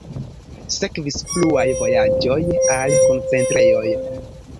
Sekvis pluaj vojaĝoj al koncentrejoj.